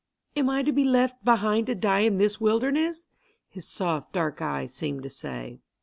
"Am I to be left behind to die in this wilderness?" his soft dark eyes seemed to say.